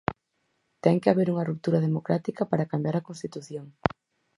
Ten que haber unha ruptura democrática para cambiar a Constitución.